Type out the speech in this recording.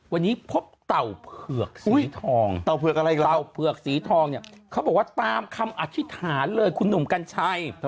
วันนี้พบเต่าเผือกสีทองเต่าเผือกอะไรอีกเต่าเผือกสีทองเนี่ยเขาบอกว่าตามคำอธิษฐานเลยคุณหนุ่มกัญชัย